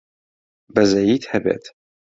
بەزەییت هەبێت!